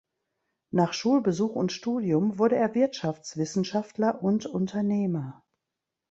Nach Schulbesuch und Studium wurde er Wirtschaftswissenschaftler und Unternehmer.